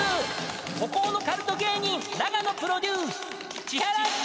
［孤高のカルト芸人永野プロデュース］